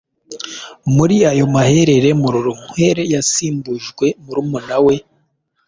Muri ayo maherere, Murorunkwere yasimbujwe murumuna we,